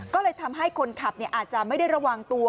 ก็เลยทำให้คนขับอาจจะไม่ได้ระวังตัว